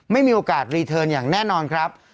ไม่มีโอกาสรีเทิร์นอย่างแน่นอนครับ